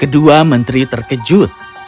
kedua mentri terkejut